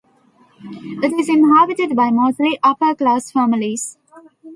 It is inhabited by mostly upper-class families.